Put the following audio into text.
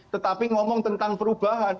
tetapi ngomong tentang perubahan